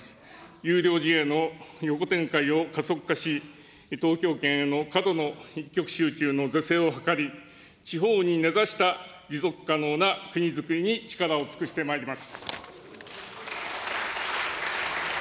優良事例への横展開を加速化し、東京圏への過度の一極集中の是正を図り、地方に根ざした持続可能な国づくりに力を尽くしてまいります。